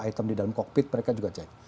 item di dalam kokpit mereka juga cek